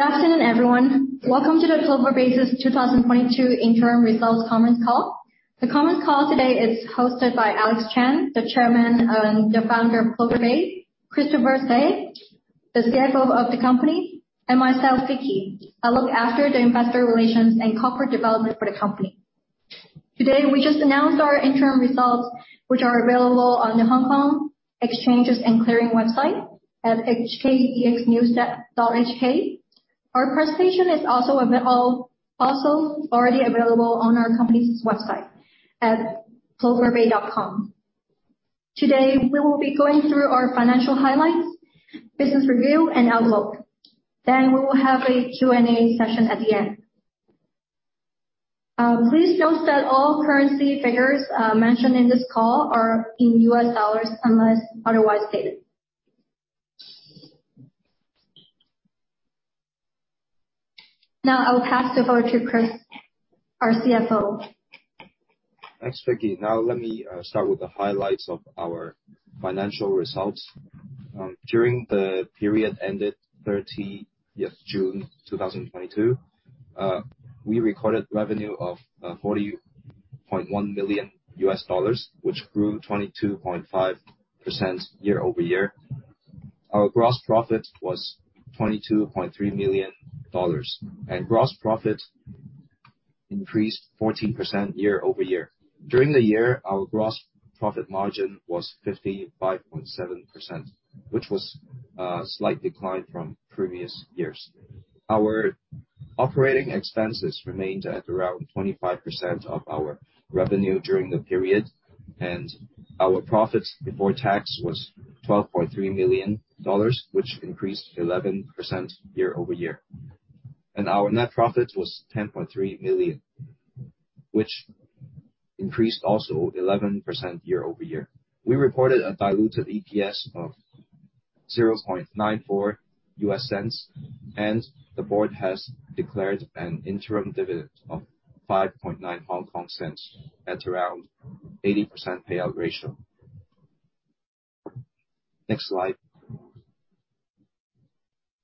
Good afternoon, everyone. Welcome to the Plover Bay's 2022 interim results conference call. The conference call today is hosted by Alex Chan, the chairman and the founder of Plover Bay, Christopher Tse, the CFO of the company, and myself, Vicky. I look after the investor relations and corporate development for the company. Today, we just announced our interim results, which are available on the Hong Kong Exchanges and Clearing website at hkexnews.hk. Our presentation is also already available on our company's website at ploverbay.com. Today, we will be going through our financial highlights, business review and outlook. Then we will have a Q&A session at the end. Please note that all currency figures mentioned in this call are in U.S. dollars unless otherwise stated. Now, I will pass it over to Chris, our CFO. Thanks, Vicky. Now, let me start with the highlights of our financial results. During the period ended 30th June 2022, we recorded revenue of $40.1 million, which grew 22.5% year-over-year. Our gross profit was $22.3 million, and gross profit increased 14% year-over-year. During the year, our gross profit margin was 55.7%, which was a slight decline from previous years. Our operating expenses remained at around 25% of our revenue during the period, and our profits before tax was $12.3 million, which increased 11% year-over-year. Our net profit was $10.3 million, which increased also 11% year-over-year. We reported a diluted EPS of $0.94, and the board has declared an interim dividend of 0.059 at around 80% payout ratio. Next slide.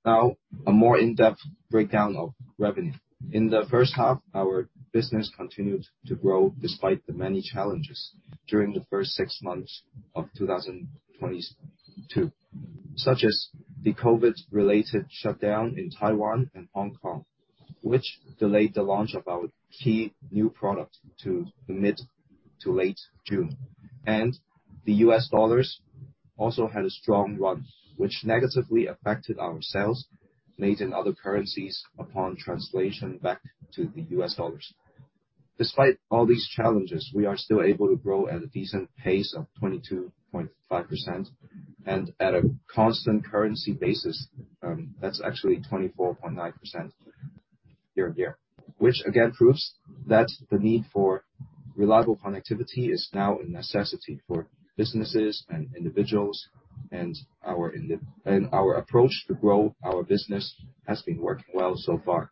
Now, a more in-depth breakdown of revenue. In the first half, our business continued to grow despite the many challenges during the first six months of 2022, such as the COVID-related shutdown in Taiwan and Hong Kong, which delayed the launch of our key new product to mid to late June. The U.S. dollars also had a strong run, which negatively affected our sales made in other currencies upon translation back to the U.S. dollars. Despite all these challenges, we are still able to grow at a decent pace of 22.5% and at a constant currency basis, that's actually 24.9% year-over-year, which again proves that the need for reliable connectivity is now a necessity for businesses and individuals, and our approach to grow our business has been working well so far.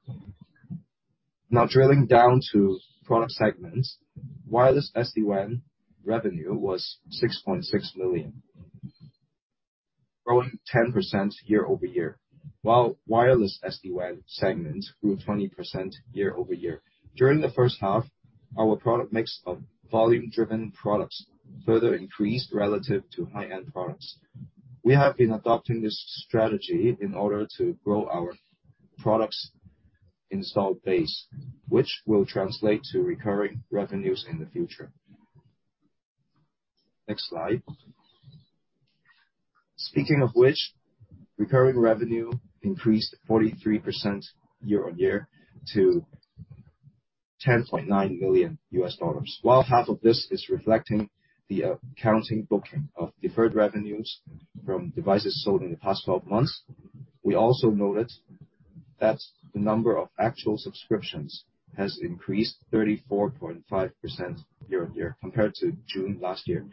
Now, drilling down to product segments. Wireless SD-WAN revenue was $6.6 million, growing 10% year-over-year, while wireless SD-WAN segments grew 20% year-over-year. During the first half, our product mix of volume-driven products further increased relative to high-end products. We have been adopting this strategy in order to grow our products' install base, which will translate to recurring revenues in the future. Next slide. Speaking of which, recurring revenue increased 43% year-on-year to $10.9 million. While half of this is reflecting the accounting booking of deferred revenues from devices sold in the past 12 months, we also noted that the number of actual subscriptions has increased 34.5% year-on-year compared to June last year.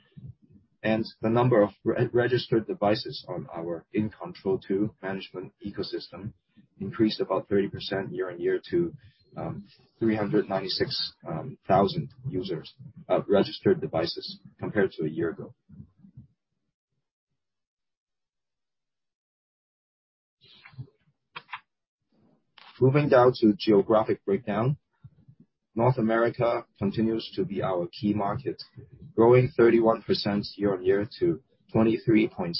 The number of re-registered devices on our InControl tier management ecosystem increased about 30% year-on-year to 396,000 users of registered devices compared to a year ago. Moving down to geographic breakdown. North America continues to be our key market, growing 31% year-on-year to $23.6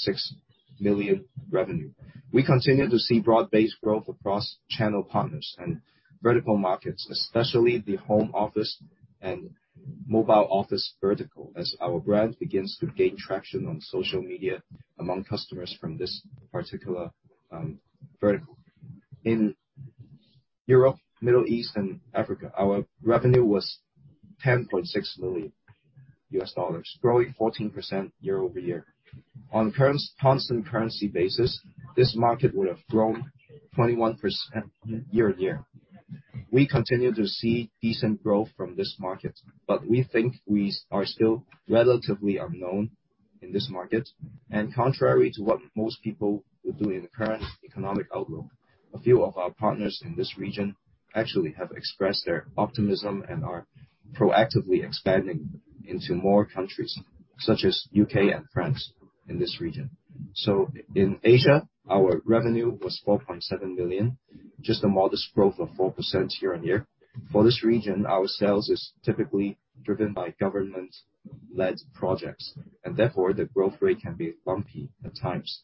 million revenue. We continue to see broad-based growth across channel partners and vertical markets, especially the home office and mobile office vertical, as our brand begins to gain traction on social media among customers from this particular vertical. In Europe, Middle East and Africa, our revenue was $10.6 million, growing 14% year-over-year. On constant currency basis, this market would have grown 21% year-over-year. We continue to see decent growth from this market, but we think we are still relatively unknown in this market. Contrary to what most people would do in the current economic outlook, a few of our partners in this region actually have expressed their optimism and are proactively expanding into more countries such as U.K. and France in this region. In Asia, our revenue was $4.7 million, just a modest growth of 4% year-on-year. For this region, our sales is typically driven by government-led projects and therefore the growth rate can be bumpy at times.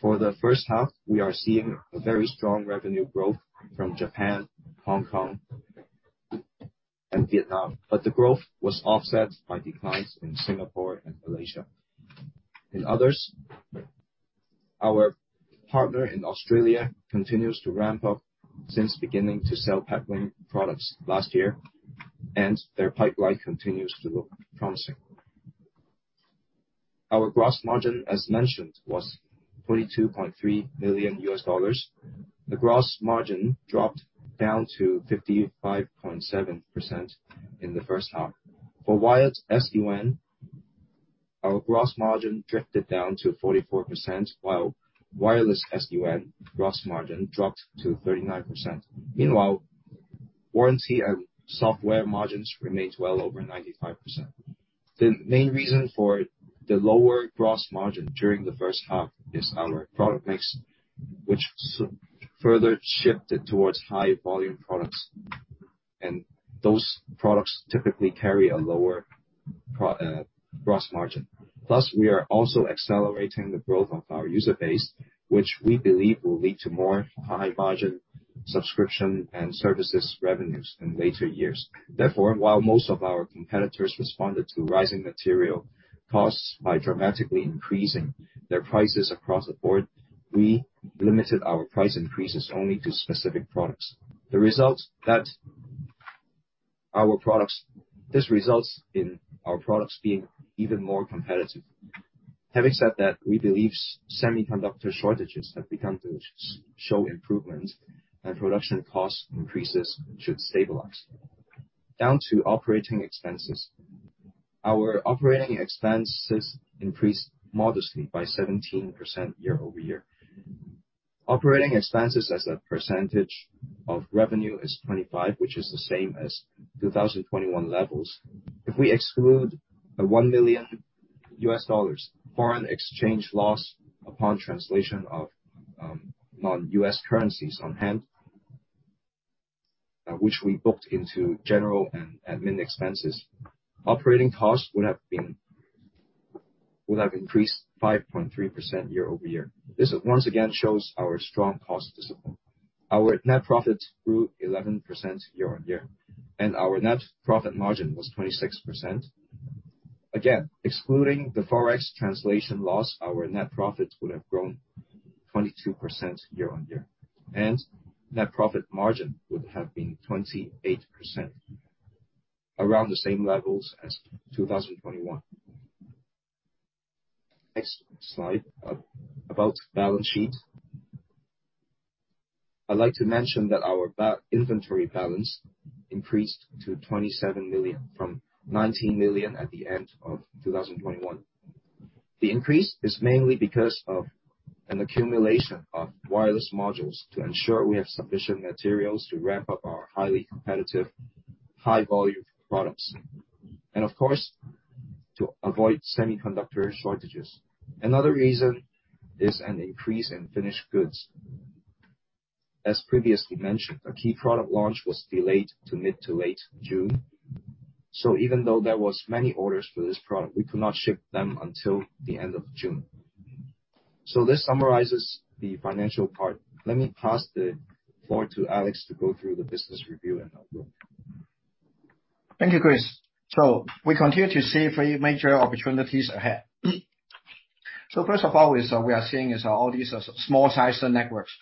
For the first half, we are seeing a very strong revenue growth from Japan, Hong Kong, and Vietnam, but the growth was offset by declines in Singapore and Malaysia. In others, our partner in Australia continues to ramp up since beginning to sell Peplink products last year, and their pipeline continues to look promising. Our gross margin as mentioned was $22.3 million. The gross margin dropped down to 55.7% in the first half. For wired SD-WAN, our gross margin drifted down to 44%, while wireless SD-WAN gross margin dropped to 39%. Meanwhile, warranty and software margins remained well over 95%. The main reason for the lower gross margin during the first half is our product mix, which has further shifted towards high volume products, and those products typically carry a lower gross margin. Plus, we are also accelerating the growth of our user base, which we believe will lead to more high-margin subscription and services revenues in later years. Therefore, while most of our competitors responded to rising material costs by dramatically increasing their prices across the board, we limited our price increases only to specific products. This results in our products being even more competitive. Having said that, we believe semiconductor shortages have begun to show improvement and production cost increases should stabilize. Down to operating expenses. Our operating expenses increased modestly by 17% year-over-year. Operating expenses as a percentage of revenue is 25%, which is the same as 2021 levels. If we exclude a $1 million foreign exchange loss upon translation of non-U.S. currencies on hand, which we booked into general and admin expenses, operating costs would have increased 5.3% year-over-year. This once again shows our strong cost discipline. Our net profit grew 11% year-over-year, and our net profit margin was 26%. Again, excluding the Forex translation loss, our net profit would have grown 22% year-over-year, and net profit margin would have been 28%, around the same levels as 2021. Next slide, about balance sheet. I'd like to mention that our inventory balance increased to $27 million from $19 million at the end of 2021. The increase is mainly because of an accumulation of wireless modules to ensure we have sufficient materials to ramp up our highly competitive high volume products. Of course, to avoid semiconductor shortages. Another reason is an increase in finished goods. As previously mentioned, a key product launch was delayed to mid to late June. Even though there was many orders for this product, we could not ship them until the end of June. This summarizes the financial part. Let me pass the floor to Alex to go through the business review and outlook. Thank you, Chris. We continue to see three major opportunities ahead. First of all, we are seeing all these small-sized networks.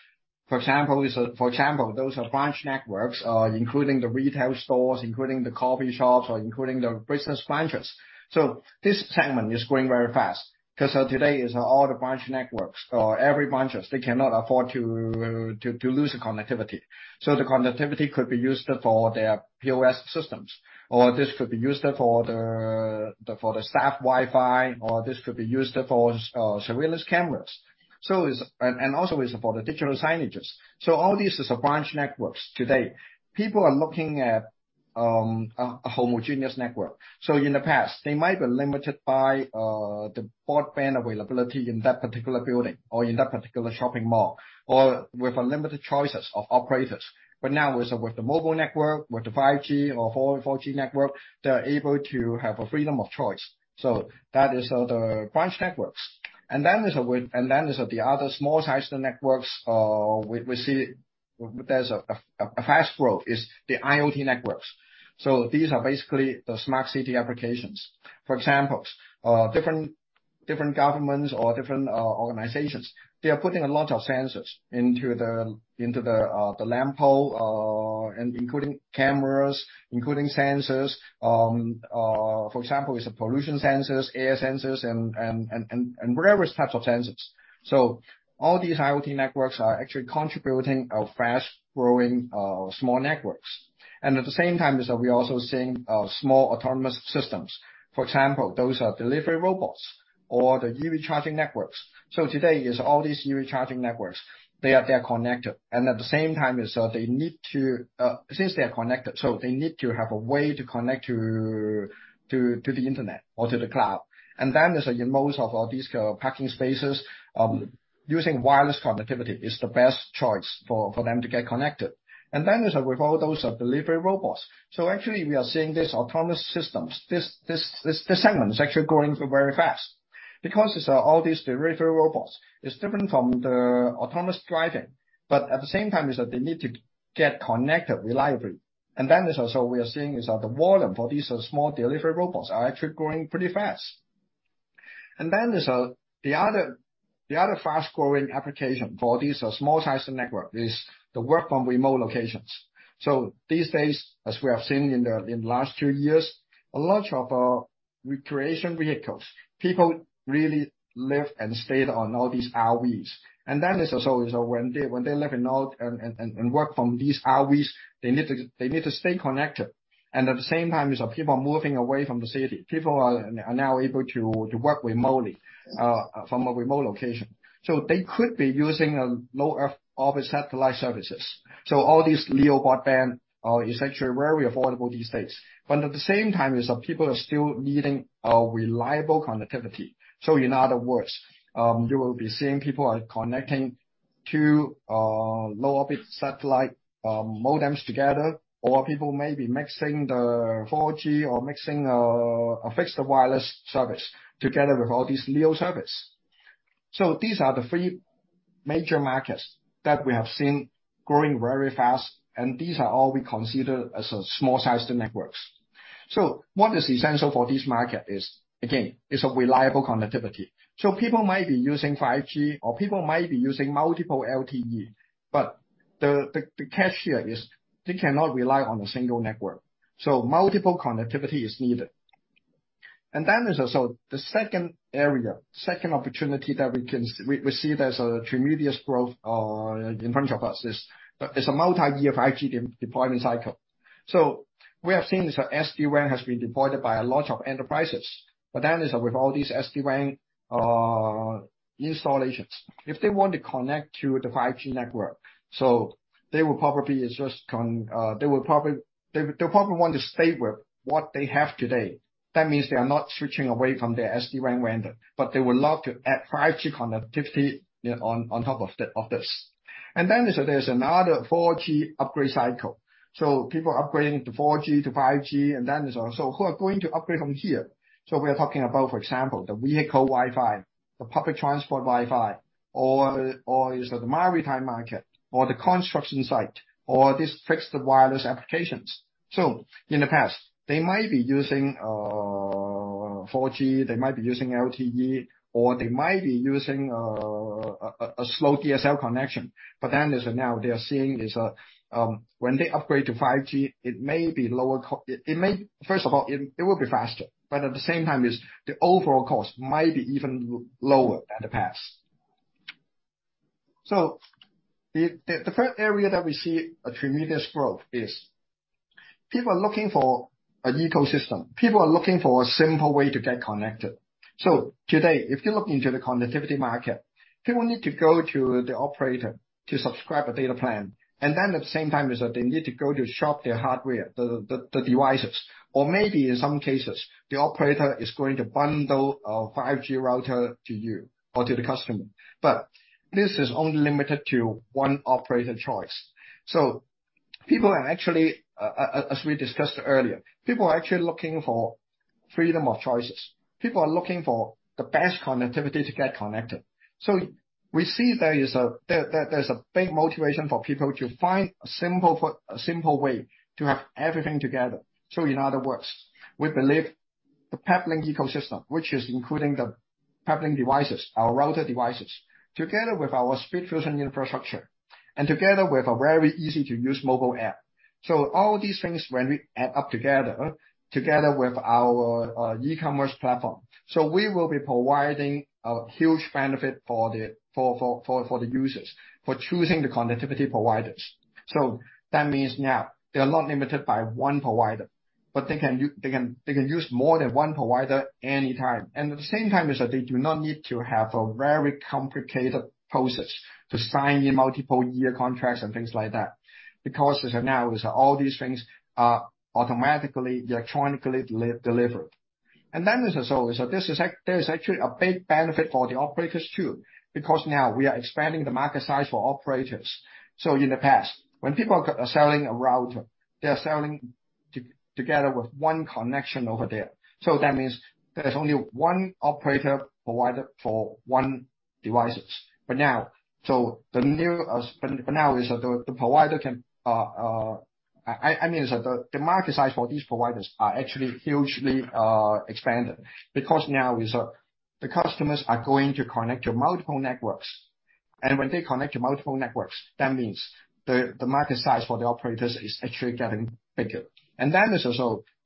For example, those are branch networks, including the retail stores, including the coffee shops or including the business branches. This segment is growing very fast 'cause today all the branch networks or every branches, they cannot afford to lose the connectivity. The connectivity could be used for their POS systems, or this could be used for the staff Wi-Fi, or this could be used for surveillance cameras. And also for the digital signages. All these is a branch networks today. People are looking at a homogeneous network. In the past, they might be limited by the broadband availability in that particular building or in that particular shopping mall or with limited choices of operators. Now with the mobile network, with the 5G or 4G network, they are able to have a freedom of choice. That is the branch networks. Then is the other small-sized networks, we see there's a fast growth in the IoT networks. These are basically the smart city applications. For examples, different governments or different organizations, they are putting a lot of sensors into the lamp post, including cameras, including sensors, for example, a pollution sensors, air sensors and various types of sensors. All these IoT networks are actually contributing a fast-growing small networks. At the same time is that we're also seeing small autonomous systems. For example, those are delivery robots or the EV charging networks. Today is all these EV charging networks, they are connected. At the same time is that they need to. Since they are connected, so they need to have a way to connect to the internet or to the cloud. Then is in most of these parking spaces, using wireless connectivity is the best choice for them to get connected. Then with all those delivery robots. Actually we are seeing these autonomous systems. This segment is actually growing very fast. Because, as all these delivery robots, it's different from the autonomous driving, but at the same time is that they need to get connected reliably. Is also we are seeing is that the volume for these small delivery robots are actually growing pretty fast. Is the other fast-growing application for these small-sized network is the work from remote locations. These days, as we have seen in the last two years, a lot of recreational vehicles. People really live and stayed on all these RVs. Is also when they live and work from these RVs, they need to stay connected. At the same time is people are moving away from the city. People are now able to work remotely from a remote location. They could be using low-Earth orbit satellite services. All these LEO broadband is actually very affordable these days. At the same time is that people are still needing a reliable connectivity. In other words, you will be seeing people are connecting to low-earth orbit satellite modems together, or people may be mixing the 4G or mixing a fixed wireless service together with all these LEO service. These are the three major markets that we have seen growing very fast, and these are all we consider as small-sized networks. What is essential for this market is, again, is a reliable connectivity. People might be using 5G or people might be using multiple LTE, but the catch here is they cannot rely on a single network. Multiple connectivity is needed. There's also the second area, second opportunity that we can. We see there's a tremendous growth in front of us is a multi-year 5G deployment cycle. We have seen that SD-WAN has been deployed by a lot of enterprises. With all these SD-WAN installations. If they want to connect to the 5G network, they'll probably want to stay with what they have today. That means they are not switching away from their SD-WAN vendor, but they would love to add 5G connectivity on top of this. There's another 4G upgrade cycle. People upgrading to 4G, to 5G, and then also who are going to upgrade from here. We are talking about, for example, the vehicle Wi-Fi, the public transport Wi-Fi or the maritime market, or the construction site, or these fixed wireless applications. In the past, they might be using 4G, they might be using LTE, or they might be using a slow DSL connection. Now they are seeing, when they upgrade to 5G, First of all, it will be faster, but at the same time the overall cost might be even lower than the past. The third area that we see a tremendous growth is people are looking for an ecosystem. People are looking for a simple way to get connected. Today, if you look into the connectivity market, people need to go to the operator to subscribe a data plan. Then at the same time is that they need to go to shop their hardware, the devices. Maybe in some cases, the operator is going to bundle a 5G router to you or to the customer. This is only limited to one operator choice. People are actually, as we discussed earlier, people are actually looking for freedom of choices. People are looking for the best connectivity to get connected. We see there's a big motivation for people to find a simple way to have everything together. In other words, we believe the Peplink ecosystem, which is including the Peplink devices, our router devices, together with our SpeedFusion infrastructure and together with a very easy-to-use mobile app. All these things when we add up together with our e-commerce platform. We will be providing a huge benefit for the users for choosing the connectivity providers. That means now they are not limited by one provider, but they can use more than one provider anytime. At the same time is that they do not need to have a very complicated process to sign in multiple year contracts and things like that. Because as of now is all these things are automatically, electronically delivered. There is actually a big benefit for the operators too, because now we are expanding the market size for operators. In the past, when people are selling a router, they are selling together with one connection over there. That means there's only one operator provider for one devices. Now the new. Now the provider can. I mean the market size for these providers are actually hugely expanded. Because now the customers are going to connect to multiple networks. When they connect to multiple networks, that means the market size for the operators is actually getting bigger.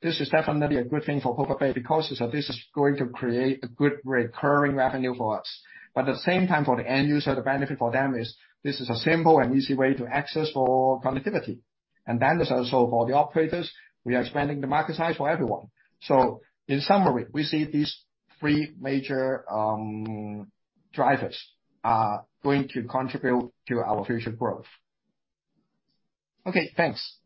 This is definitely a good thing for Plover Bay because this is going to create a good recurring revenue for us. At the same time for the end user, the benefit for them is this is a simple and easy way to access for connectivity. This also for the operators, we are expanding the market size for everyone. In summary, we see these three major drivers are going to contribute to our future growth. Okay, thanks.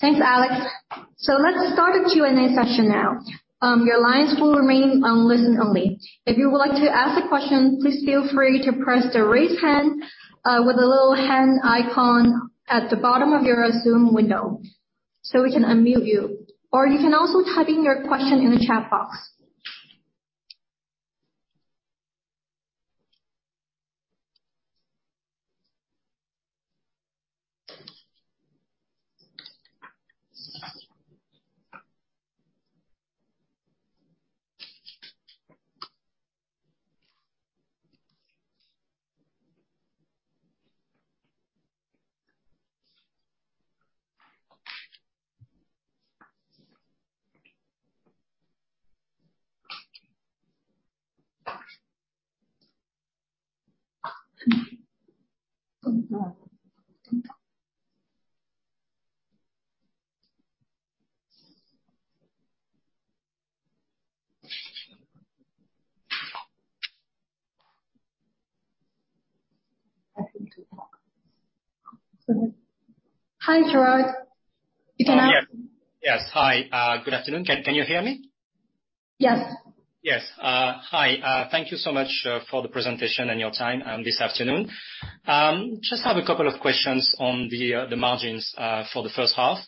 Thanks, Alex. Let's start the Q&A session now. Your lines will remain on listen only. If you would like to ask a question, please feel free to press the Raise Hand with the little hand icon at the bottom of your Zoom window so we can unmute you. Or you can also type in your question in the chat box. Hi, Gerard. You can ask. Yes. Hi, good afternoon. Can you hear me? Yes. Yes. Hi. Thank you so much for the presentation and your time this afternoon. Just have a couple of questions on the margins for the first half.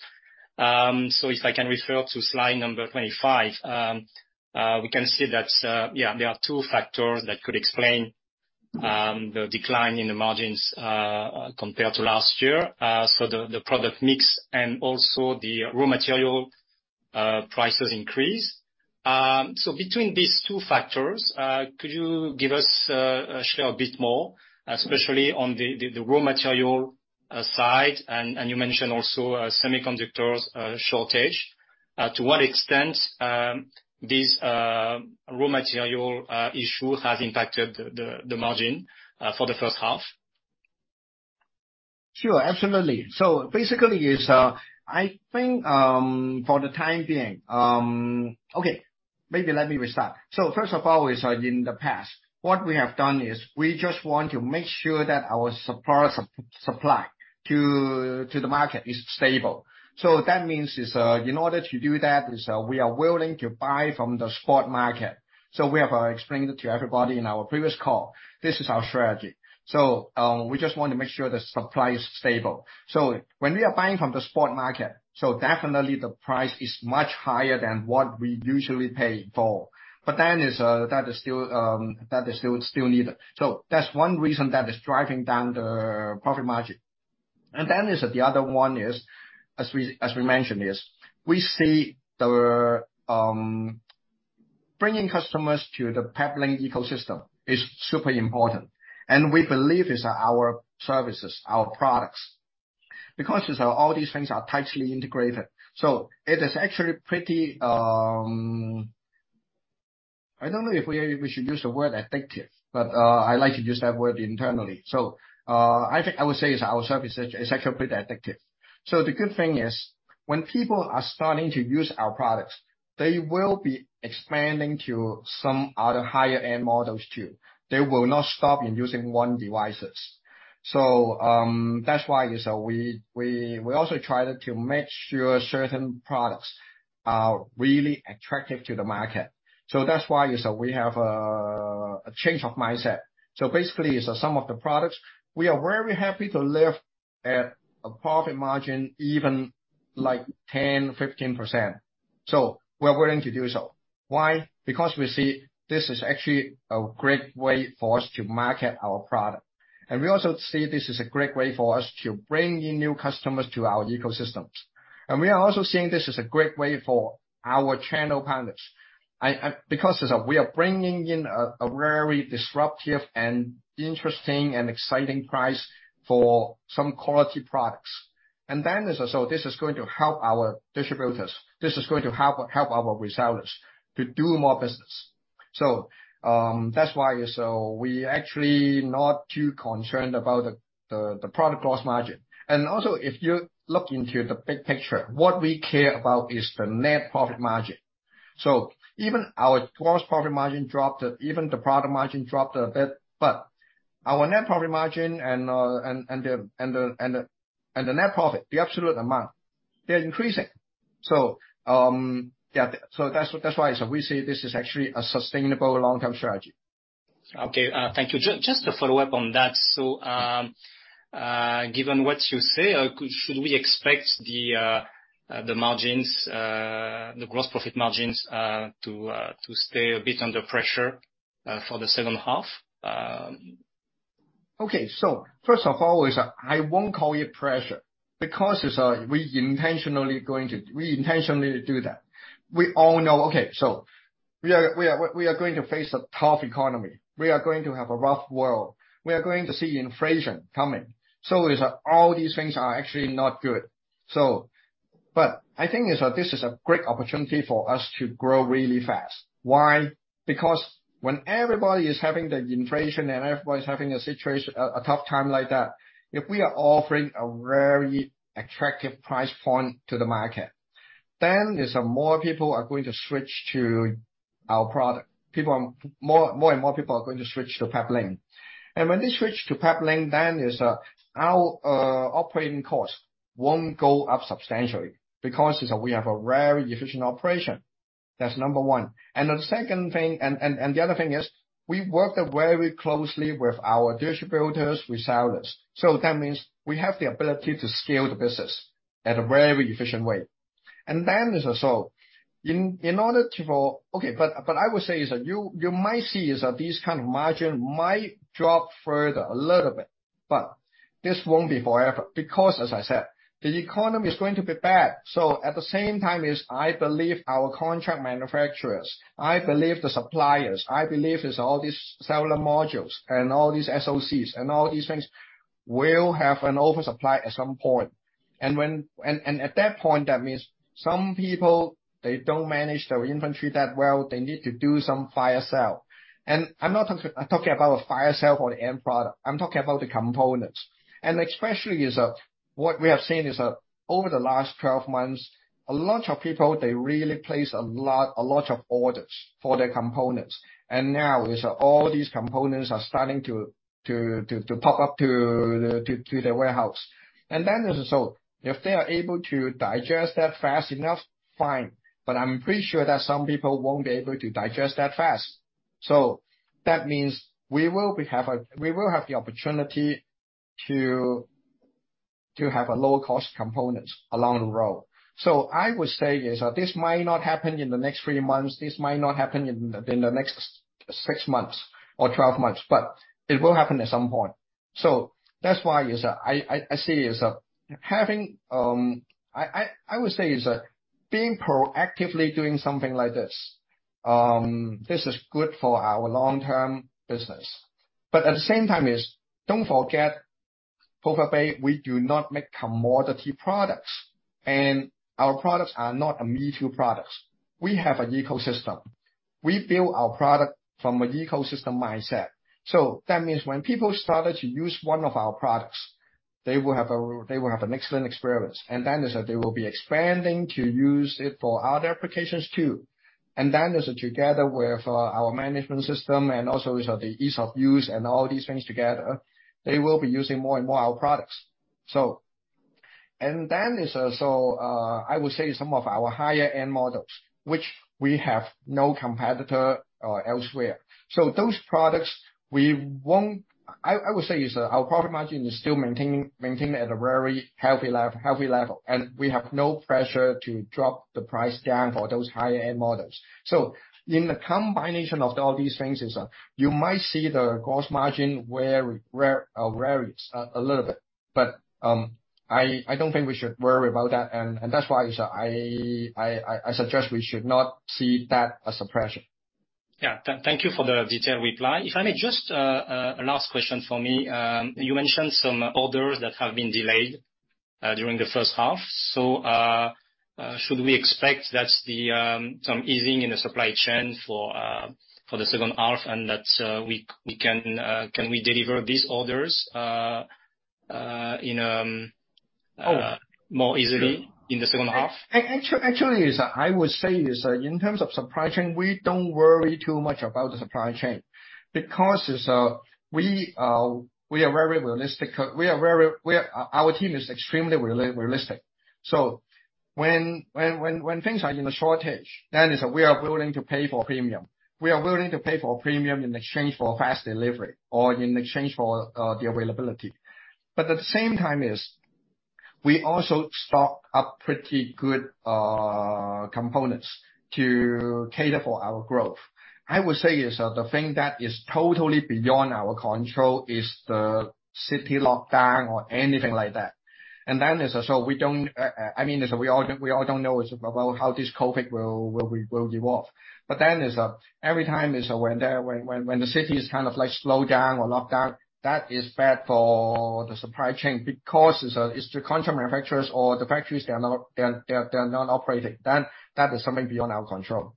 If I can refer to slide number 25, we can see that there are two factors that could explain. Mm-hmm The decline in the margins compared to last year. The product mix and also the raw material prices increase. Between these two factors, could you share a bit more, especially on the raw material side? You mentioned also a semiconductor shortage. To what extent this raw material issue has impacted the margin for the first half? Sure. Absolutely. First of all, in the past, what we have done is we just want to make sure that our suppliers supply to the market is stable. That means in order to do that we are willing to buy from the spot market. We have explained it to everybody in our previous call. This is our strategy. We just want to make sure the supply is stable. When we are buying from the spot market, definitely the price is much higher than what we usually pay for. That is still needed. That's one reason that is driving down the profit margin. Is the other one, as we mentioned, we see bringing customers to the Peplink ecosystem is super important. We believe in our services, our products. Because these are all these things are tightly integrated, so it is actually pretty. I don't know if we should use the word addictive, but I like to use that word internally. I think I would say our service is actually pretty addictive. The good thing is when people are starting to use our products, they will be expanding to some other higher-end models too. They will not stop in using one device. That's why we also try to make sure certain products are really attractive to the market. That's why we have a change of mindset. Basically for some of the products, we are very happy to live at a profit margin, even like 10%, 15%. We're willing to do so. Why? Because we see this is actually a great way for us to market our product. We also see this is a great way for us to bring in new customers to our ecosystems. We are also seeing this as a great way for our channel partners. Because we are bringing in a very disruptive and interesting and exciting price for some quality products. So this is going to help our distributors. This is going to help our resellers to do more business. That's why we actually not too concerned about the product cost margin. If you look into the big picture, what we care about is the net profit margin. Even our gross profit margin dropped, even the product margin dropped a bit, but our net profit margin and the net profit, the absolute amount, they're increasing. Yeah. That's why is we say this is actually a sustainable long-term strategy. Okay. Thank you. Just to follow up on that. Given what you say, should we expect the margins, the gross profit margins, to stay a bit under pressure for the second half? Okay. First of all, I won't call it pressure because we intentionally do that. We all know we are going to face a tough economy. We are going to have a rough world. We are going to see inflation coming. All these things are actually not good. I think that this is a great opportunity for us to grow really fast. Why? Because when everybody is having the inflation and everybody's having a situation, a tough time like that, if we are offering a very attractive price point to the market, then there's some more people are going to switch to our product. More and more people are going to switch to Peplink. When they switch to Peplink, our operating costs won't go up substantially because, you know, we have a very efficient operation. That's number one. The second thing is we worked very closely with our distributors, resellers. That means we have the ability to scale the business at a very efficient way. But I would say that you might see that these kind of margin might drop further a little bit, but this won't be forever. As I said, the economy is going to be bad, so at the same time I believe our contract manufacturers, the suppliers, all these cellular modules and all these SOCs and all these things will have an oversupply at some point. At that point, that means some people, they don't manage their inventory that well, they need to do some fire sale. I'm not talking about a fire sale for the end product. I'm talking about the components. Especially what we have seen is that over the last 12 months, a lot of people, they really place a lot of orders for their components. Now all these components are starting to pop up to the warehouse. If they are able to digest that fast enough, fine, but I'm pretty sure that some people won't be able to digest that fast. That means we will have the opportunity to have lower cost components along the road. I would say is that this might not happen in the next three months, this might not happen in the next six months or 12 months, but it will happen at some point. That's why is I see is that having I would say is that being proactively doing something like this is good for our long-term business. At the same time is, don't forget, Plover Bay, we do not make commodity products, and our products are not a me-too products. We have an ecosystem. We build our product from an ecosystem mindset. That means when people started to use one of our products, they will have an excellent experience, and then is that they will be expanding to use it for other applications too. Together with our management system and the ease of use and all these things together, they will be using more and more our products. I would say some of our higher-end models, which we have no competitor elsewhere. Those products, our profit margin is still maintaining at a very healthy level, and we have no pressure to drop the price down for those higher-end models. In the combination of all these things, you might see the gross margin varies a little bit. I don't think we should worry about that. That's why I suggest we should not see that as a pressure. Thank you for the detailed reply. If I may just last question for me. You mentioned some orders that have been delayed during the first half. Should we expect that there's some easing in the supply chain for the second half and that we can deliver these orders in Oh. more easily in the second half? Actually, I would say, in terms of supply chain, we don't worry too much about the supply chain because we are very realistic. We are very realistic. Our team is extremely realistic. So when things are in a shortage, then we are willing to pay for premium. We are willing to pay for premium in exchange for fast delivery or in exchange for the availability. But at the same time we also stock up pretty good components to cater for our growth. I would say that the thing that is totally beyond our control is the city lockdown or anything like that. We don't. I mean we all don't know about how this COVID will evolve. Is that every time is when the city is kind of like slowed down or locked down, that is bad for the supply chain because is the contract manufacturers or the factories, they are not operating. That is something beyond our control.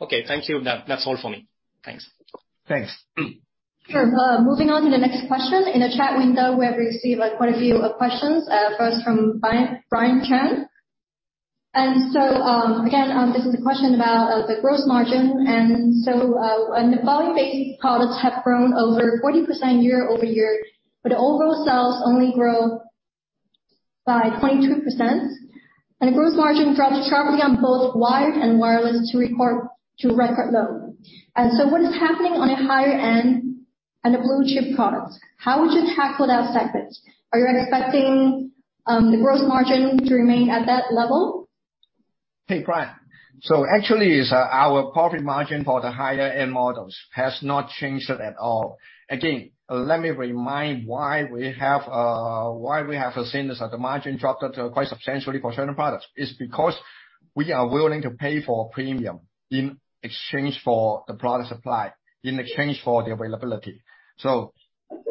Okay. Thank you. That, that's all for me. Thanks. Thanks. Sure. Moving on to the next question. In the chat window, we have received, like, quite a few questions, first from Brian Denyeau. Again, this is a question about the gross margin. The volume-based products have grown over 40% year-over-year, but the overall sales only grow by 22%, and the gross margin dropped sharply on both wired and wireless to record low. What is happening on the higher end and the blue chip products? How would you tackle that segment? Are you expecting the gross margin to remain at that level? Hey, Brian. Actually, our profit margin for the higher-end models has not changed at all. Again, let me remind why we have the same as that. The margin dropped quite substantially for certain products. It's because we are willing to pay a premium in exchange for the product supply, in exchange for the availability.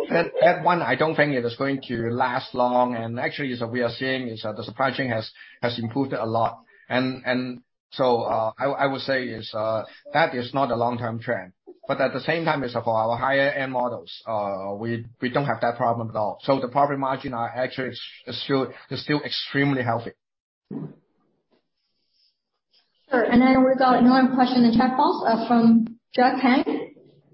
At one, I don't think it is going to last long. Actually, what we are seeing is that the supply chain has improved a lot. I would say that is not a long-term trend. At the same time, it's for our higher-end models, we don't have that problem at all. The profit margin are actually still extremely healthy. Sure. We've got another question in chat box from Jeff Penn.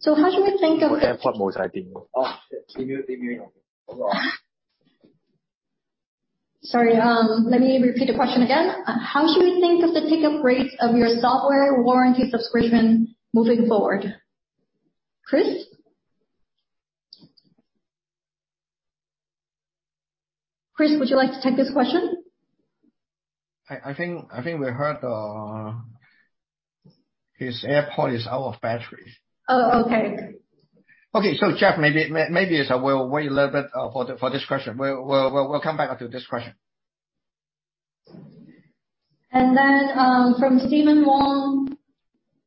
How should we think of- Your AirPod might be mute. Oh, mute. Sorry, let me repeat the question again. How should we think of the take-up rates of your software warranty subscription moving forward? Chris? Chris, would you like to take this question? I think we heard his AirPod is out of battery. Oh, okay. Okay. Jeff, maybe we'll wait a little bit for this question. We'll come back to this question. From Steven Wong.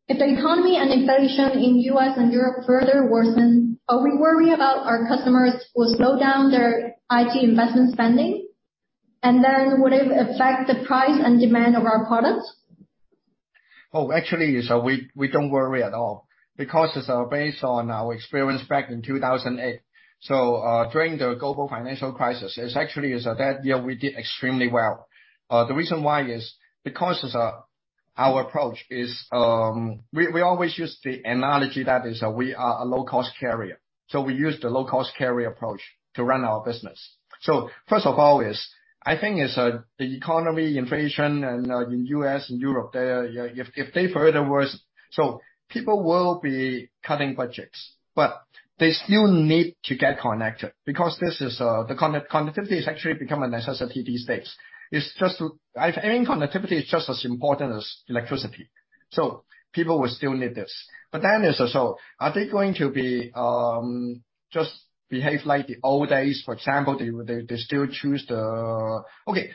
If the economy and inflation in U.S. and Europe further worsen, are we worried about our customers will slow down their IT investment spending? Would it affect the price and demand of our products? Actually, we don't worry at all because it's based on our experience back in 2008. During the global financial crisis, that year we did extremely well. The reason why is because our approach is we always use the analogy that we are a low-cost carrier. We use the low-cost carrier approach to run our business. First of all, I think it's the economy, inflation and in U.S. and Europe they further worsen. People will be cutting budgets, but they still need to get connected because this is the connectivity has actually become a necessity these days. It's just, I think connectivity is just as important as electricity. People will still need this. But then there is the [question] are they going to just behave like the old days? For example they still choose the..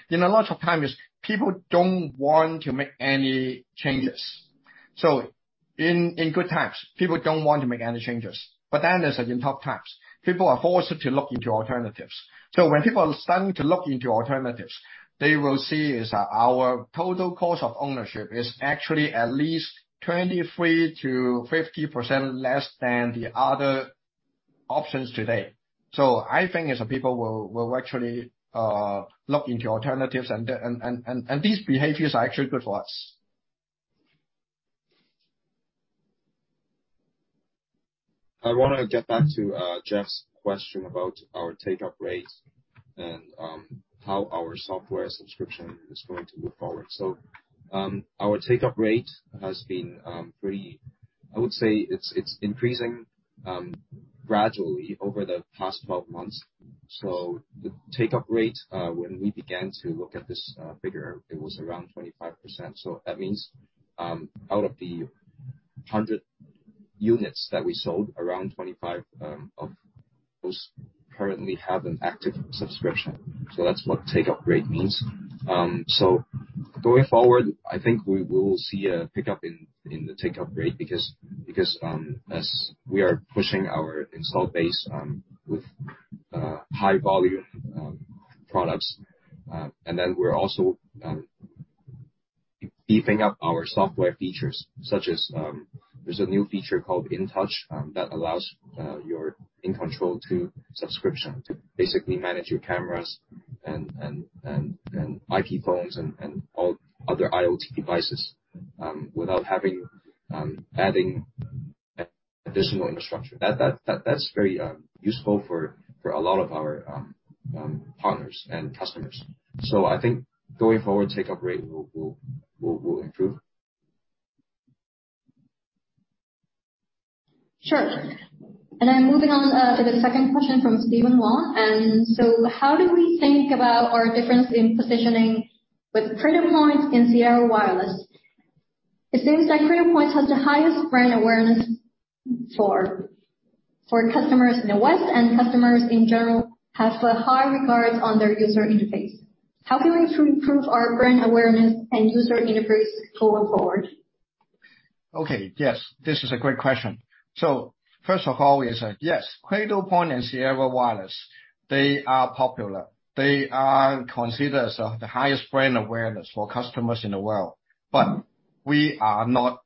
In a lot of times, people don't want to make any changes. In good times, people don't want to make any changes. In tough times, people are forced to look into alternatives. When people are starting to look into alternatives, they will see that our total cost of ownership is actually at least 23%-50% less than the other options today. I think people will actually look into alternatives. These behaviors are actually good for us. I wanna get back to Jeff's question about our take-up rates and how our software subscription is going to move forward. Our take-up rate has been pretty. I would say it's increasing gradually over the past 12 months. The take-up rate, when we began to look at this figure, it was around 25%. That means out of the 100 units that we sold, around 25 of those currently have an active subscription. That's what take-up rate means. Going forward, I think we will see a pickup in the take-up rate because as we are pushing our installed base with high volume products, and then we're also beefing up our software features such as there's a new feature called InTouch that allows your InControl subscription to basically manage your cameras and IP phones and all other IoT devices without having to add additional infrastructure. That's very useful for a lot of our partners and customers. I think going forward, take-up rate will improve. Sure. Moving on to the second question from Steven Wong. How do we think about our difference in positioning with Cradlepoint and Sierra Wireless? It seems like Cradlepoint has the highest brand awareness for customers in the West, and customers in general have a high regard for their user interface. How can we improve our brand awareness and user interface going forward? Okay. Yes, this is a great question. First of all is, yes, Cradlepoint and Sierra Wireless, they are popular. They are considered as the highest brand awareness for customers in the world. We are not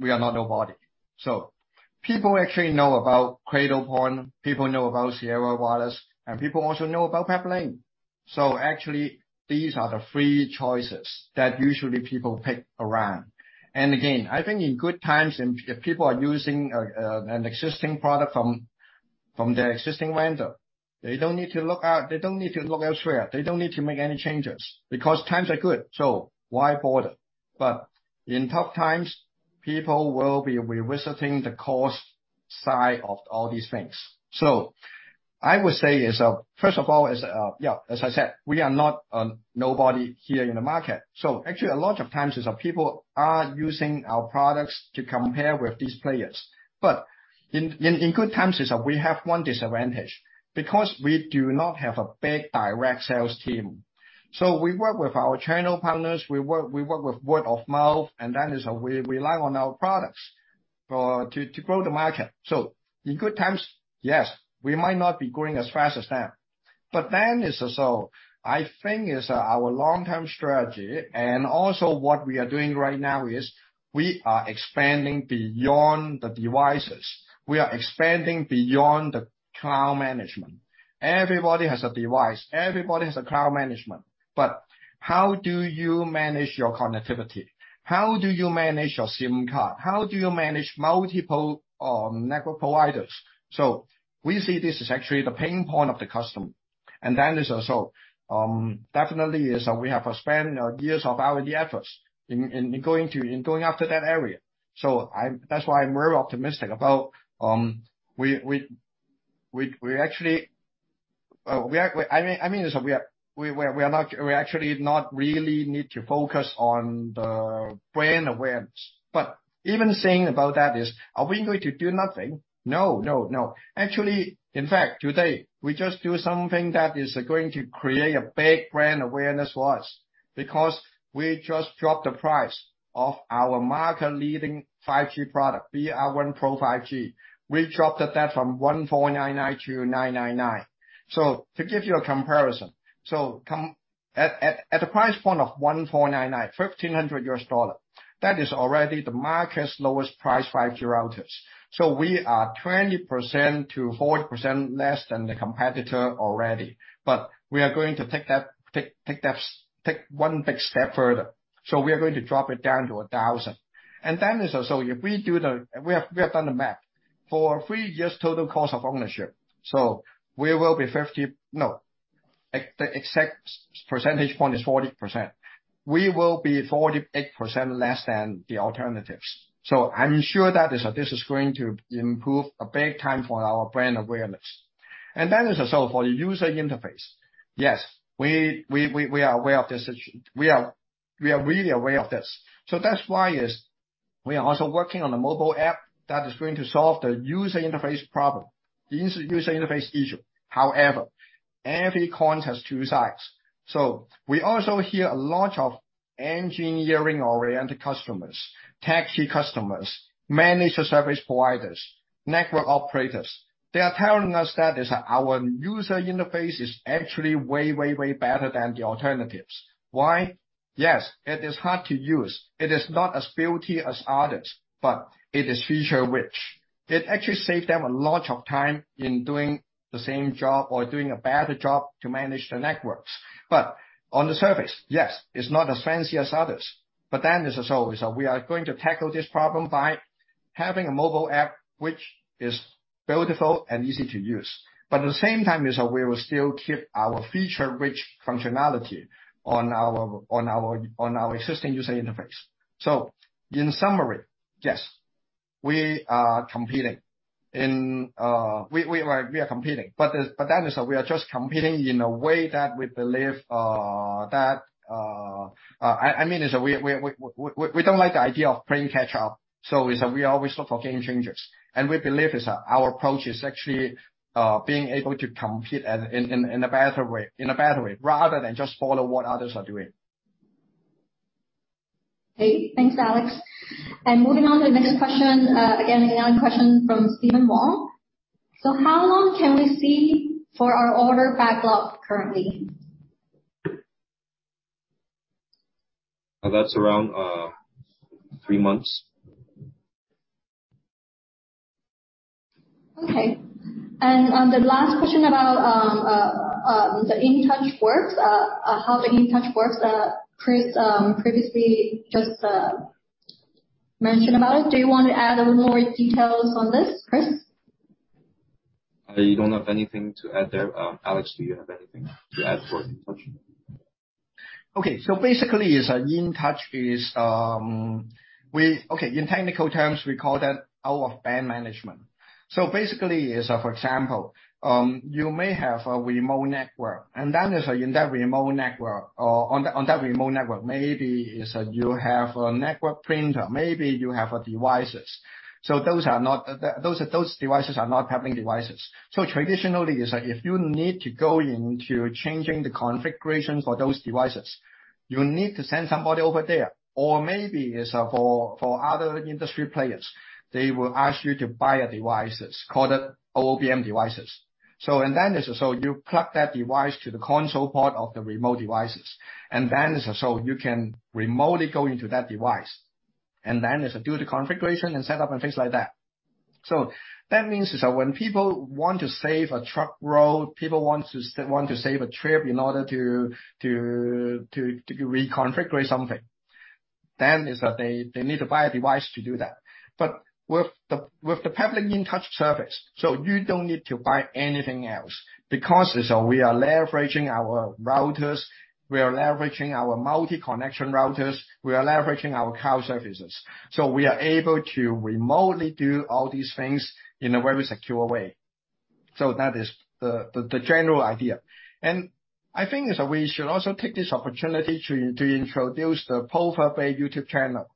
nobody. People actually know about Cradlepoint, people know about Sierra Wireless, and people also know about Peplink. Actually these are the three choices that usually people pick around. Again, I think in good times and if people are using an existing product from their existing vendor, they don't need to look out. They don't need to look elsewhere. They don't need to make any changes because times are good, so why bother? In tough times, people will be revisiting the cost side of all these things. I would say, first of all, yeah, as I said, we are not nobody here in the market. Actually a lot of times people are using our products to compare with these players. In good times we have one disadvantage, because we do not have a big direct sales team. We work with our channel partners, we work with word of mouth, and we rely on our products to grow the market. In good times, yes, we might not be growing as fast as them. Then so I think our long-term strategy and also what we are doing right now is we are expanding beyond the devices. We are expanding beyond the cloud management. Everybody has a device, everybody has a cloud management. How do you manage your connectivity? How do you manage your SIM card? How do you manage multiple network providers? We see this is actually the pain point of the customer. It is also definitely we have spent years of R&D efforts in going after that area. That's why I'm very optimistic about. I mean, we are not. We actually do not really need to focus on the brand awareness. Even saying about that, are we going to do nothing? No. Actually, in fact, today, we just do something that is going to create a big brand awareness for us, because we just dropped the price of our market leading 5G product, BR1 Pro 5G. We dropped that from $1,499 to $999. To give you a comparison, at a price point of $1499, $1,500, that is already the market's lowest price 5G routers. We are 20%-40% less than the competitor already. We are going to take that one big step further. We are going to drop it down to $1,000. We have done the math. For three years total cost of ownership, the exact percentage point is 40%. We will be 48% less than the alternatives. I'm sure that this is going to improve a big time for our brand awareness. That is also for the user interface. Yes, we are aware of this issue. We are really aware of this. That's why we are also working on a mobile app that is going to solve the user interface problem, the user interface issue. However, every coin has two sides. We also hear a lot of engineering-oriented customers, techie customers, managed service providers, network operators. They are telling us that our user interface is actually way better than the alternatives. Why? Yes, it is hard to use. It is not as beautiful as others, but it is feature-rich. It actually saved them a lot of time in doing the same job or doing a better job to manage the networks. On the surface, yes, it's not as fancy as others. We are going to tackle this problem by having a mobile app which is beautiful and easy to use. We will still keep our feature-rich functionality on our existing user interface. In summary, yes, we are competing. We are just competing in a way that we believe that I mean we don't like the idea of playing catch up. We always look for game changers. We believe our approach is actually being able to compete in a better way rather than just follow what others are doing. Okay. Thanks, Alex. Moving on to the next question. Again, another question from Steven Wong. How long can we see for our order backlog currently? That's around three months. Okay. On the last question about how the InTouch works, Chris, previously just mentioned about it. Do you want to add a little more details on this, Chris? I don't have anything to add there. Alex, do you have anything to add for InTouch? Basically, InTouch is. In technical terms, we call that out-of-band management. Basically, for example, you may have a remote network, and then is in that remote network or on that remote network, maybe is you have a network printer, maybe you have devices. Those devices are not Peplink devices. Traditionally is if you need to go into changing the configuration for those devices, you need to send somebody over there. Maybe is for other industry players, they will ask you to buy a device that's called OBM devices. You plug that device to the console part of the remote devices, and then you can remotely go into that device and then is do the configuration and setup and things like that. That means when people want to save a truck route, people want to save a trip in order to reconfigure something, then they need to buy a device to do that. With the Peplink InTouch service, you don't need to buy anything else. Because we are leveraging our routers, we are leveraging our multi-connection routers, we are leveraging our cloud services. We are able to remotely do all these things in a very secure way. That is the general idea. I think we should also take this opportunity to introduce the Plover Bay YouTube channel.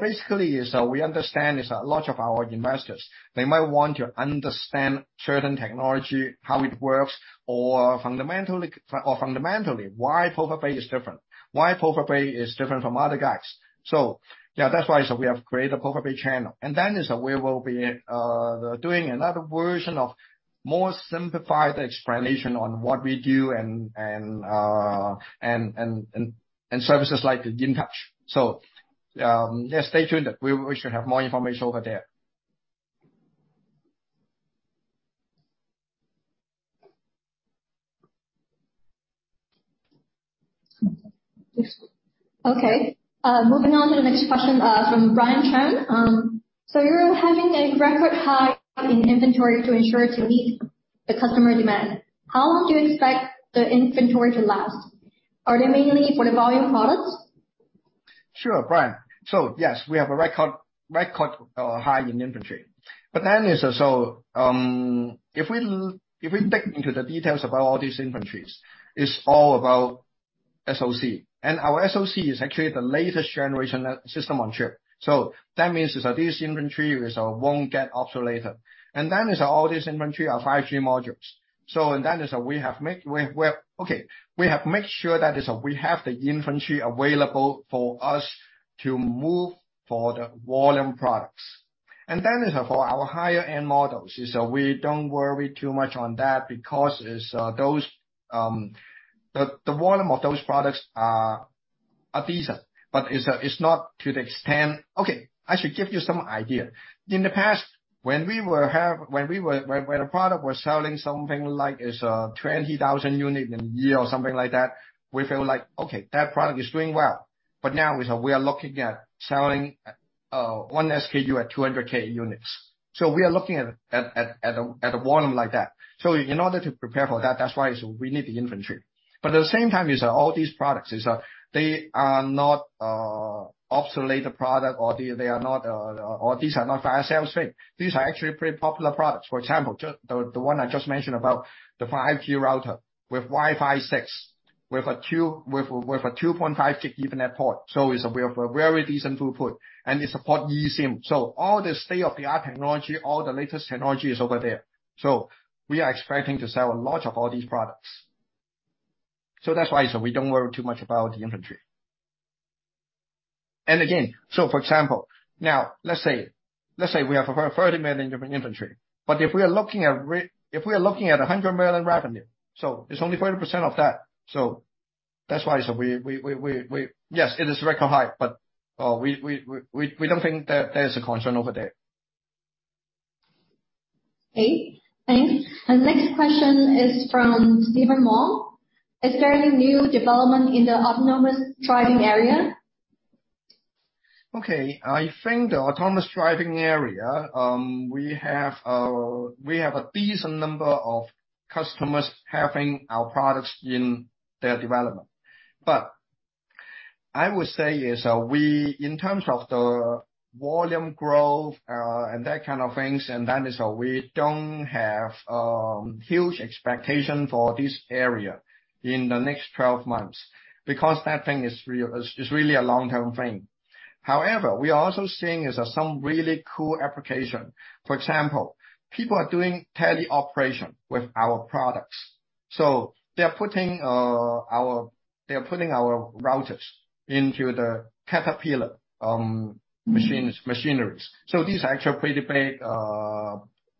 Basically, as we understand, a lot of our investors, they might want to understand certain technology, how it works or fundamentally why Plover Bay is different from other guys. Yeah, that's why we have created a Plover Bay channel. Then we will be doing another version of more simplified explanation on what we do and services like the InTouch. Yeah, stay tuned. We should have more information over there. Okay. Moving on to the next question from Brian Denyeau. You're having a record high in inventory to ensure to meet the customer demand. How long do you expect the inventory to last? Are they mainly for the volume products? Sure, Brian. Yes, we have a record high in inventory. If we dig into the details about all these inventories, it's all about SOC, and our SOC is actually the latest generation system on chip. That means this inventory won't get obsolete. All this inventory are 5G modules. We have made sure that we have the inventory available for us to move for the volume products. For our higher-end models we don't worry too much on that because the volume of those products are decent, but it's not to the extent. I should give you some idea. In the past, when the product was selling something like 20,000 units in a year or something like that, we feel like, okay, that product is doing well. Now we are looking at selling one SKU at 200,000 units. We are looking at a volume like that. In order to prepare for that's why we need the inventory. At the same time all these products, they are not obsolete product or they are not, or these are not fire sales thing. These are actually pretty popular products. For example, just the one I just mentioned about the 5G router with Wi-Fi 6, with a 2.5 Gb Ethernet port, so we have a very decent throughput. It support eSIM. All the state-of-the-art technology, all the latest technology is over there. We are expecting to sell a lot of all these products. That's why we don't worry too much about the inventory. Again, for example, now let's say we have $100 million in inventory, but if we are looking at $100 million revenue, so it's only 40% of that. That's why we... Yes, it is record high, but we don't think that there's a concern over there. Okay, thanks. Next question is from Steven Wong. Is there any new development in the autonomous driving area? Okay. I think the autonomous driving area, we have a decent number of customers having our products in their development. I would say, in terms of the volume growth and that kind of things, we don't have huge expectation for this area in the next 12 months, because that thing is really a long-term thing. However, we are also seeing some really cool application. For example, people are doing teleoperation with our products. They're putting our routers into the Caterpillar machines. These are actually pretty big.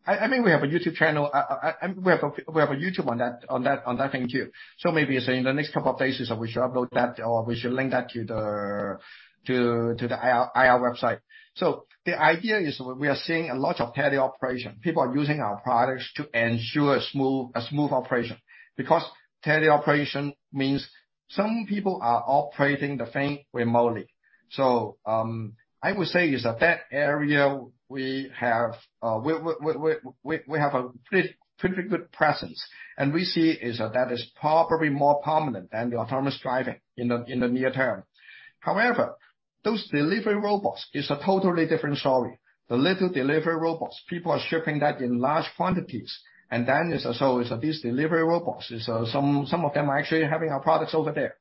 I think we have a YouTube channel, and we have a YouTube on that thing too. Maybe in the next couple of days we should upload that or we should link that to the IR website. The idea is we are seeing a lot of teleoperation. People are using our products to ensure smooth operation. Because teleoperation means some people are operating the thing remotely. I would say that area we have a pretty good presence. We see that is probably more prominent than the autonomous driving in the near term. However, those delivery robots is a totally different story. The little delivery robots, people are shipping that in large quantities. These delivery robots, some of them are actually having our products over there.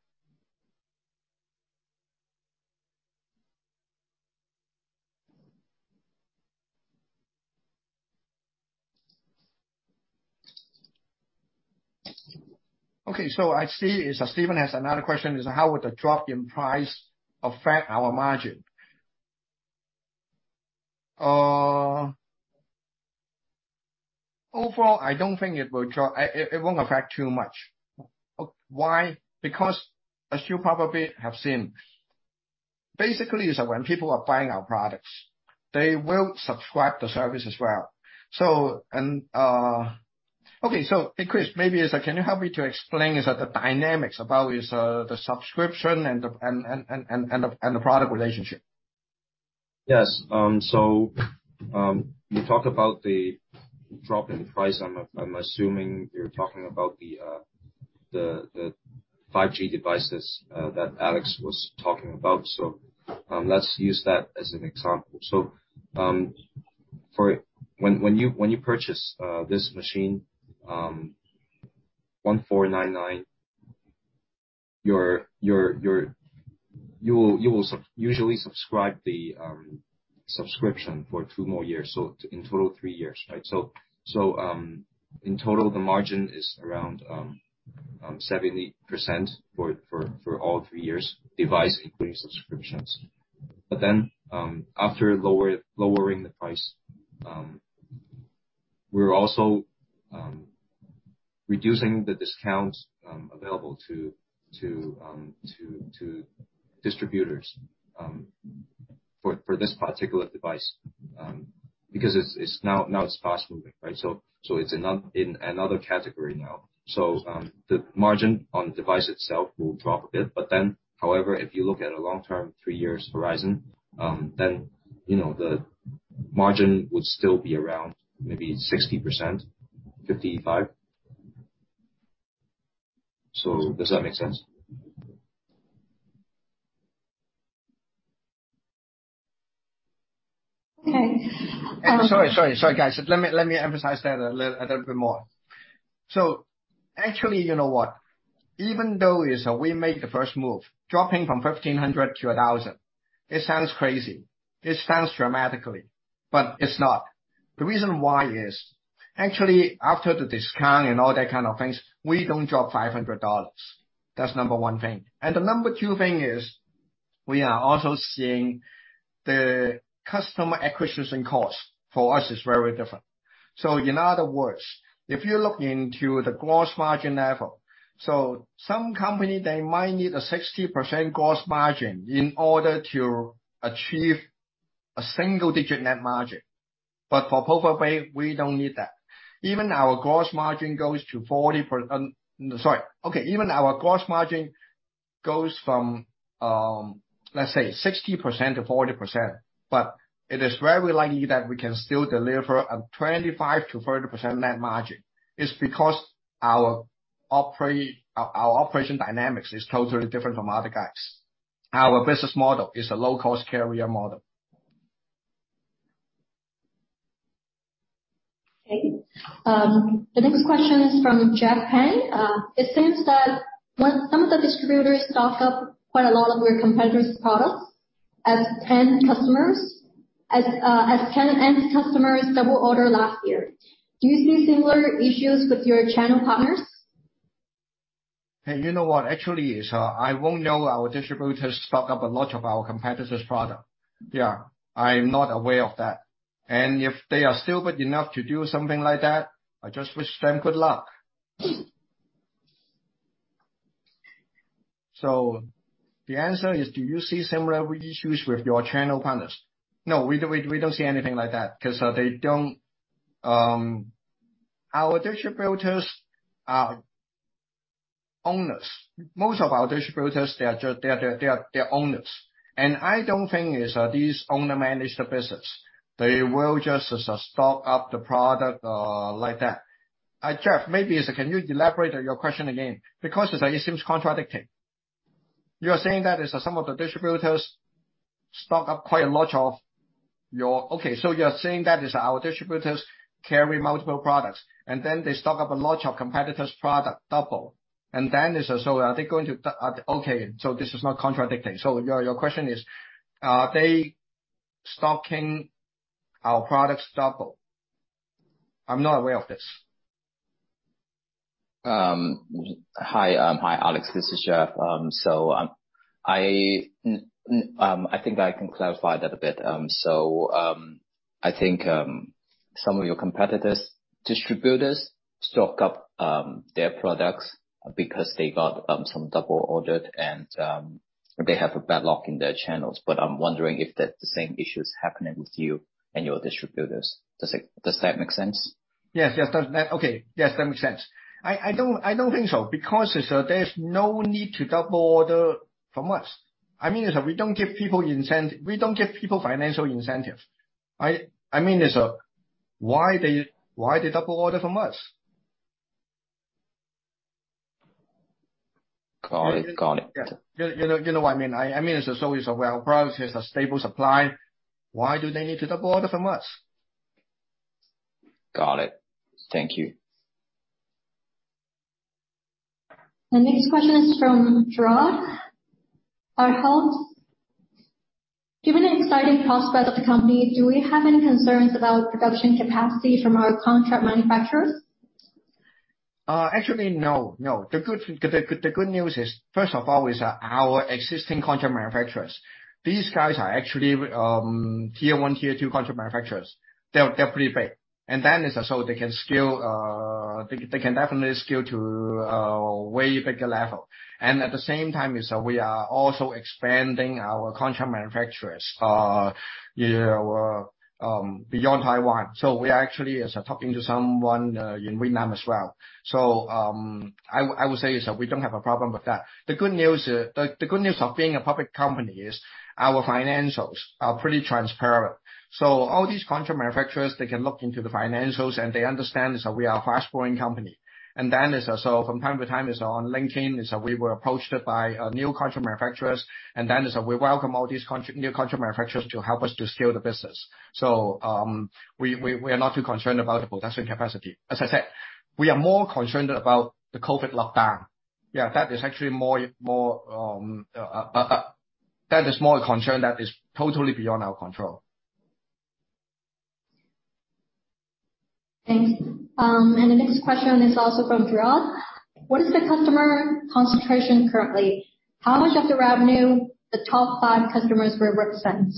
Okay. I see Steven Wong has another question, how would the drop in price affect our margin? Overall, I don't think it will drop. It won't affect too much. Why? Because as you probably have seen, basically when people are buying our products, they will subscribe to service as well. Okay, hey, Christopher Tse, maybe can you help me to explain that the dynamics about the subscription and the product relationship? Yes. You talk about the drop in price. I'm assuming you're talking about the 5G devices that Alex was talking about. Let's use that as an example. For when you purchase this machine, $1,499, you will usually subscribe the subscription for two more years, in total three years, right? In total, the margin is around 70% for all three years, device including subscriptions. After lowering the price, we're also reducing the discounts available to distributors. For this particular device, because it's now fast-moving, right? It's in another category now. The margin on the device itself will drop a bit. However, if you look at a long-term three-year horizon, you know, the margin would still be around maybe 60%, 55%. Does that make sense? Okay. Sorry, guys. Let me emphasize that a little bit more. Actually, you know what? Even though it's we make the first move, dropping from $1,500 to $1,000, it sounds crazy, it sounds dramatically, but it's not. The reason why is actually after the discount and all that kind of things, we don't drop $500. That's number one thing. The number two thing is we are also seeing the customer acquisition cost for us is very different. In other words, if you look into the gross margin level, some company, they might need a 60% gross margin in order to achieve a single-digit net margin. For Plover Bay's, we don't need that. Even our gross margin goes to 40%. Sorry. Even our gross margin goes from, let's say 60% to 40%, but it is very likely that we can still deliver a 25%-30% net margin. It's because our operation dynamics is totally different from other guys. Our business model is a low-cost carrier model. Okay. The next question is from Jeff Penn. It seems that when some of the distributors stock up quite a lot of your competitors' products. As 10 end customers double ordered last year. Do you see similar issues with your channel partners? Hey, you know what? Actually, I don't know if our distributors stock up a lot of our competitors' product. Yeah. I'm not aware of that. If they are stupid enough to do something like that, I just wish them good luck. The answer is, do you see similar issues with your channel partners? No. We don't see anything like that because they don't. Our distributors are owners. Most of our distributors, they are just owners. I don't think these owners manage the business. They will just stock up the product like that. Jeff, maybe you can elaborate on your question again? Because it seems contradictory. You're saying that some of the distributors stock up quite a lot of your... Okay, so you're saying that our distributors carry multiple products, and then they stock up a lot of competitors' products double. It's, so are they going to, okay, this is not contradicting. Your question is, are they stocking our products double? I'm not aware of this. Hi, Alex. This is Jeff. I think I can clarify that a bit. I think some of your competitors' distributors stock up their products because they got some double ordered and they have a bad lock in their channels. But I'm wondering if the same issue is happening with you and your distributors. Does that make sense? Yes, yes. Okay. Yes, that makes sense. I don't think so, because there's no need to double order from us. I mean, we don't give people financial incentives. I mean, why they double order from us? Got it. Got it. You know what I mean. I mean, it's always, well, price is a stable supply. Why do they need to double order from us? Got it. Thank you. The next question is from Gerard Arholz. Given the exciting prospects of the company, do we have any concerns about production capacity from our contract manufacturers? Actually, no. The good news is, first of all, our existing contract manufacturers. These guys are actually tier one, tier two contract manufacturers. They're pretty big. They can definitely scale to way bigger level. At the same time, we are also expanding our contract manufacturers, you know, beyond Taiwan. We actually is talking to someone in Vietnam as well. I would say is that we don't have a problem with that. The good news of being a public company is our financials are pretty transparent. All these contract manufacturers, they can look into the financials and they understand is we are a fast-growing company. From time to time on LinkedIn, we were approached by new contract manufacturers. We welcome all these new contract manufacturers to help us to scale the business. We are not too concerned about the production capacity. As I said, we are more concerned about the COVID lockdown. That is actually more a concern that is totally beyond our control. Thanks. The next question is also from Gerard. What is the customer concentration currently? How much of the revenue the top five customers will represent?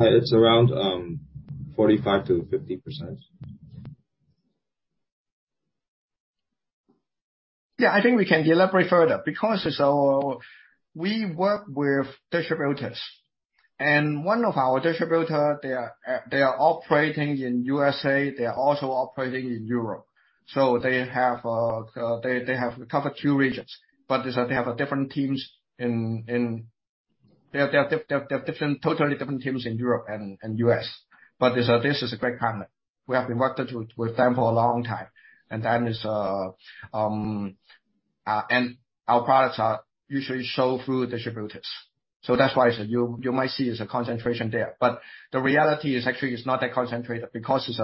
It's around 45%-50%. Yeah. I think we can elaborate further because we work with distributors, and one of our distributors. They are operating in USA. They are also operating in Europe, so they have covered two regions. They have totally different teams in Europe and U.S. This is a great partner. We have been working with them for a long time. Our products are usually shown through distributors. That's why you might see it's a concentration there. The reality is actually it's not that concentrated because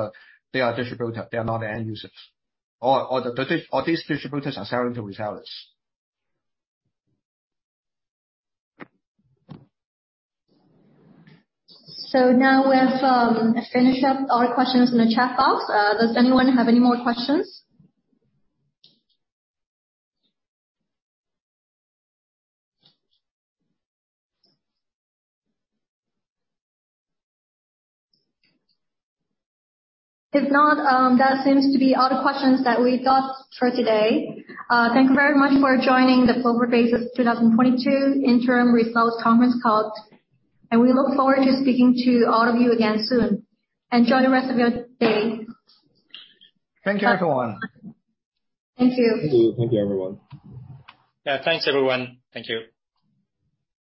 they are distributors. They are not the end users. All these distributors are selling to resellers. Now we have finished up all questions in the chat box. Does anyone have any more questions? If not, that seems to be all the questions that we've got for today. Thank you very much for joining the Plover Bay's 2022 interim results conference call, and we look forward to speaking to all of you again soon. Enjoy the rest of your day. Thank you, everyone. Thank you. Thank you. Thank you, everyone. Yeah. Thanks, everyone. Thank you.